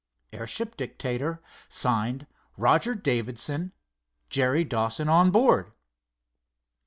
Airship Dictator: Signed, Roger Davidson, Perry Dawson, on board.